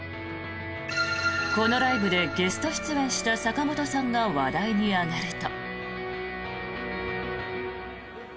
このライブでゲスト出演した坂本さんが話題に上がると。